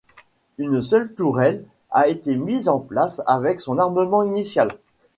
Une seule tourelle a été mise en place avec son armement initial.